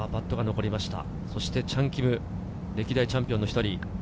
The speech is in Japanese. そしてチャン・キム、歴代チャンピオンの１人。